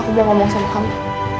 aku belum mau bersama kamu